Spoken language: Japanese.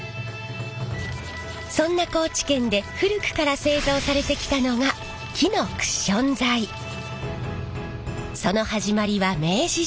そんな高知県で古くから製造されてきたのがその始まりは明治時代。